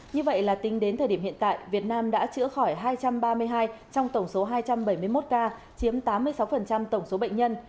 như vậy là tính đến thời điểm hiện tại việt nam đã chữa khỏi hai trăm ba mươi hai trong tổng số hai trăm bảy mươi một ca chiếm tám mươi sáu tổng số bệnh nhân